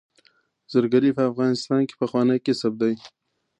زرګري په افغانستان کې پخوانی کسب دی